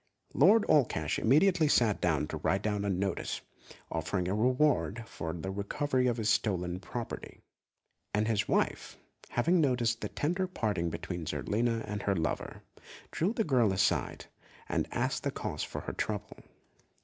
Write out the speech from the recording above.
Lord Allcash immediately sat down to write out a notice, offering a reward for the recovery of his stolen property; and his wife, having noticed the tender parting between Zerlina and her lover, drew the girl aside and asked the cause of her trouble.